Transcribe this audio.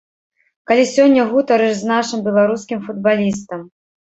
Калі сёння гутарыш з нашым беларускім футбалістам.